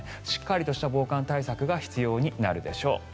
しっかりとした防寒対策が必要になるでしょう。